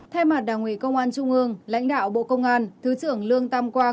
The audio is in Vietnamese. thay mặt đảng ủy công an trung ương lãnh đạo bộ công an thứ trưởng lương tam quang